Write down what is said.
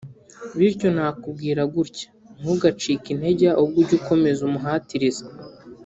bityo nakubwira gutya ntugacike intege ahubwo ujye ukomeza umuhatirize